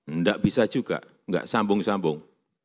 enggak bisa juga nggak sambung sambung